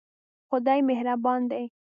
خدای مهربان دی